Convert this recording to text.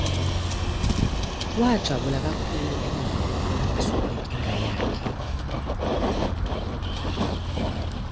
Wajabula kakhulu emuva kokulungiswa kwenkinga yakhe.